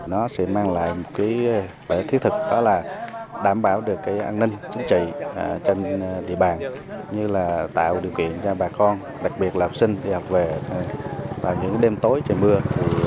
nó sẽ mang lại một cái thiết thực đó là đảm bảo được cái an ninh chính trị trên địa bàn như là tạo điều kiện cho bà con đặc biệt là học sinh đi học về vào những đêm tối trời mưa